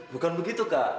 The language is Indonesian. bukan begitu kak